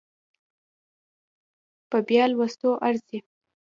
په بيا لوستو ارزي